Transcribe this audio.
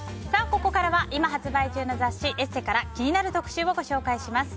ここからは今発売中の雑誌「ＥＳＳＥ」から気になる特集をご紹介します。